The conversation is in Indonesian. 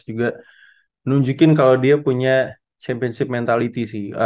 juga nunjukin kalau dia punya championship mentality sih